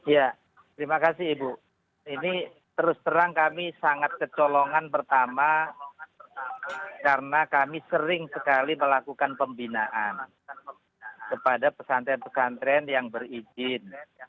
ya terima kasih ibu ini terus terang kami sangat kecolongan pertama karena kami sering sekali melakukan pembinaan kepada pesantren pesantren yang berizin